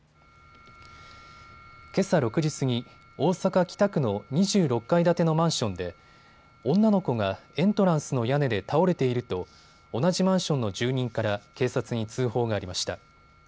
けさ６時過ぎ、大阪北区の２６階建てのマンションで女の子がエントランスの屋根で倒れていると同じマンションの住人から警察に通報がありました。